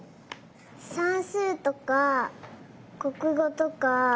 さんすうとかこくごとか。